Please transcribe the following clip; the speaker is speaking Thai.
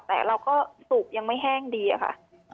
แต่เราก็สุกยังไม่แห้งดีอะค่ะ